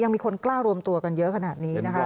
มีคนกล้ารวมตัวกันเยอะขนาดนี้นะคะ